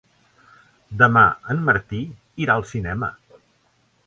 Demà en Martí irà al cinema.